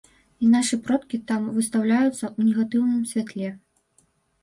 І нашы продкі там выстаўляюцца ў негатыўным святле.